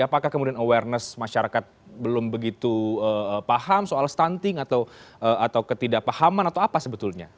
apakah kemudian awareness masyarakat belum begitu paham soal stunting atau ketidakpahaman atau apa sebetulnya